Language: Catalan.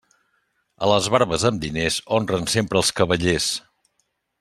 A les barbes amb diners honren sempre els cavallers.